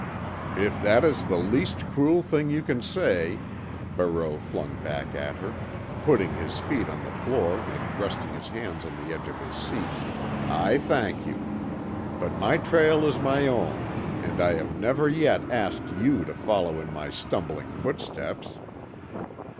"If that is the least cruel thing you can say," Barreau flung back at her, putting his feet on the floor and resting his hands on the edge of his seat, "I thank you. But my trail is my own, and I have never yet asked you to follow in my stumbling footsteps."